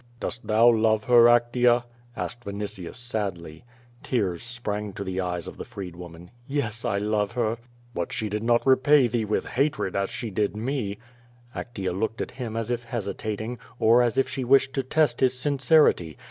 "Dost thou love her, Actea?" asked Vinitius sadly. Tears sprang to the eyes of the freed woman. "Yes, I love her." "But she did not repay thee with hatred as she did me." Actea looked at him as if hesitating, or as if sbe wisked to test his siiicerity.